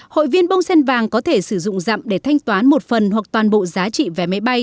hội viên bông sen vàng có thể sử dụng dặm để thanh toán một phần hoặc toàn bộ giá trị vé máy bay